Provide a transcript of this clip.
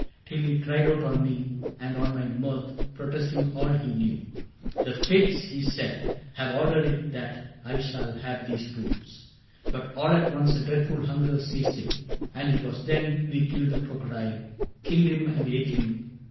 Till he cried out on me and on my mirth. Protesting all he knew :' The Fates,' he said, < Have ordered it that I shall have these roots.' CAPTAIN CRAIG 73 But all at once a dreadful hunger seized him, And it was then we killed the crocodile — Killed him and ate him.